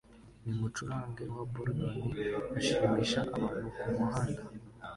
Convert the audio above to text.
numucuranga wa bordone ashimisha abantu kumuhanda